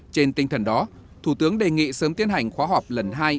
trên tinh thần đó thủ tướng đề nghị sớm tiến hành khóa họp lần hai